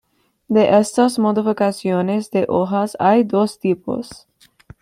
De estas modificaciones de hojas hay dos tipos.